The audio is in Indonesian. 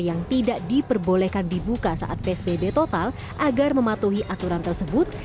yang tidak diperbolehkan dibuka saat psbb total agar mematuhi aturan tersebut